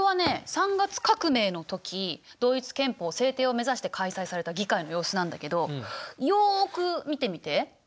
３月革命の時ドイツ憲法制定を目指して開催された議会の様子なんだけどよく見てみて。